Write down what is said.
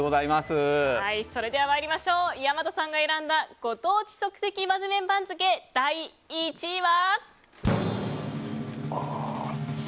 参りましょう、大和さんが選んだご当地即席まぜ麺番付第１位は。